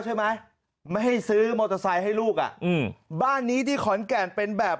ใช่ไหมไม่ให้ซื้อมอเตอร์ไซค์ให้ลูกอ่ะอืมบ้านนี้ที่ขอนแก่นเป็นแบบ